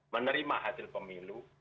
menerima hasil pemilu